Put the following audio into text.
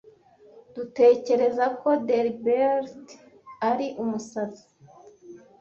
Dutekereza ko Delbert ari umusazi.